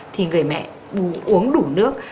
thì người mẹ uống đủ nước